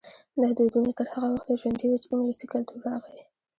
دا دودونه تر هغه وخته ژوندي وو چې انګلیسي کلتور راغی.